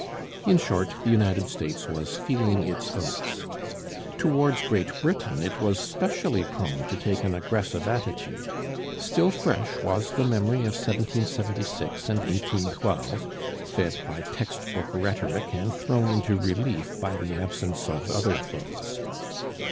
In short, the United States was 'feeling its oats.' Towards Great Britain it was specially prone to take an aggressive attitude. Still fresh was the memory of 1776 and 1812, fed by text book rhetoric and thrown into relief by the absence of other foes.